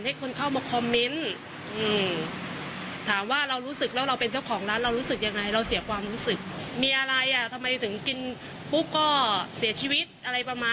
หมูสะเต๊ะใส่เรื่องร้องมือโครงที่จบเราก็เป็นวิธีที่เปล่า๔๗